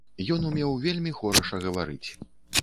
Ён умеў вельмі хораша гаварыць.